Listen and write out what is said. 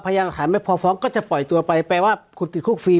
ยานหลักฐานไม่พอฟ้องก็จะปล่อยตัวไปแปลว่าคุณติดคุกฟรี